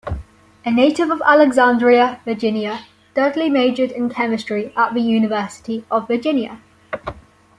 A native of Alexandria, Virginia, Dudley majored in chemistry at the University of Virginia.